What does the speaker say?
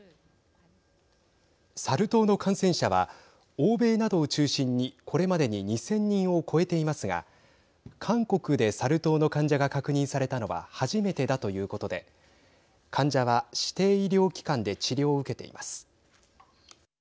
サル痘の感染者は欧米などを中心に、これまでに２０００人を超えていますが韓国でサル痘の患者が確認されたのは初めてだということで患者は指定医療機関で治療を受けています。